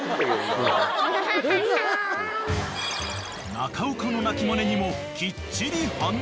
［中岡の鳴きまねにもきっちり反応］